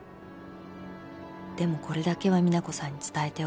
「でもこれだけは実那子さんに伝えておきたい」